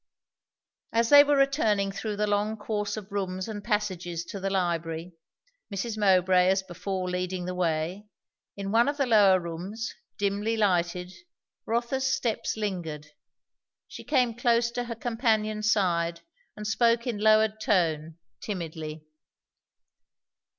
As they were returning through the long course of rooms and passages to the library, Mrs. Mowbray as before leading the way; in one of the lower rooms, dimly lighted, Rotha's steps lingered. She came close to her companion's side and spoke in a lowered tone, timidly.